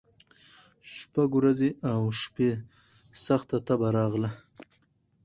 شپږ ورځي او شپي سخته تبه راغله